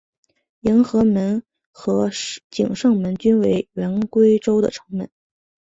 迎和门和景圣门均为原归州的城门。